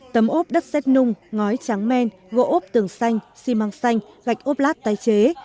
tấm ốp đất xét nung ngói trắng men gỗ tường xanh xi măng xanh gạch ốp lát tái chế